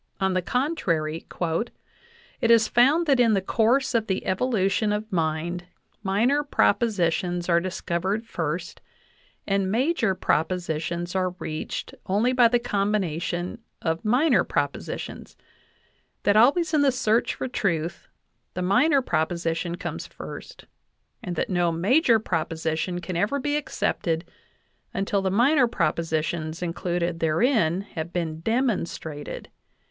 On the contrary: "It is found that in the course of the evolution of mind minor propositions are discovered first, and major propositions are reached only by the combination of minor propositions ; that always in the search for truth the minor proposition comes first, and that no major proposition can ever be accepted until the minor propositions included therein have been demonstrated.